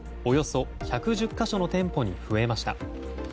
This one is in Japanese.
およそ１１０か所の店舗に増えました。